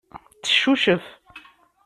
Teccucef.